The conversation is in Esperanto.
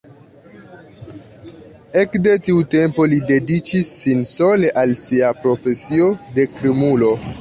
Ekde tiu tempo li dediĉis sin sole al sia „profesio“ de krimulo.